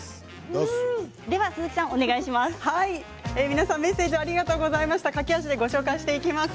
皆さん、メッセージありがとうございます。